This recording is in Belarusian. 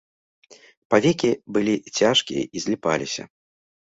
Павекі былі цяжкія і зліпаліся.